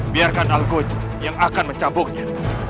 biarkan alkot yang akan mencambuknya